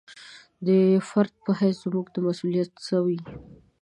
د فرد په حیث زموږ مسوولیت څه وي.